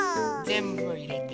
ぜんぶいれて。